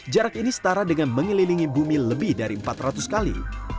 jarak ini setara dengan mengelilingi bumi lebih dari empat ratus kali